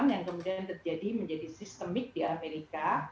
yang menjadi sistemik di amerika